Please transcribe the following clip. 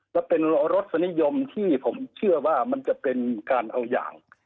และเป็นรสนิยมที่ผมเชื่อว่ามันจะเป็นการเอาอย่าง